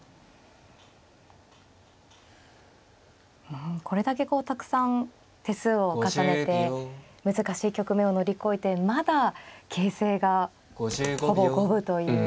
うんこれだけこうたくさん手数を重ねて難しい局面を乗り越えてまだ形勢がほぼ五分という。